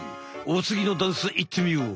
おつぎのダンスいってみよう！